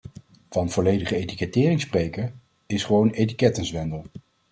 Van volledige etikettering spreken, is gewoon etikettenzwendel.